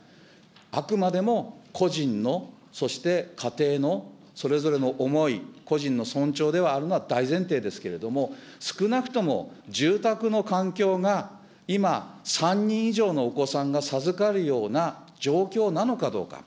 あくまでも個人の、そして家庭のそれぞれの思い、個人の尊重ではあるのは大前提ですけれども、少なくとも住宅の環境が今３人以上のお子さんが授かるような状況なのかどうか。